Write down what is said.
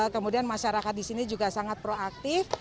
kemudian masyarakat di sini juga sangat proaktif